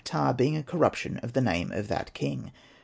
ptah, being a corruption of the name of that king.